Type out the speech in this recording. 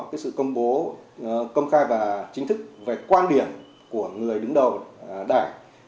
cái sự công bố công khai và chính thức về quan điểm của người đứng đầu đảng